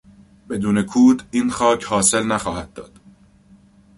بدون کود این خاک حاصل نخواهد داد.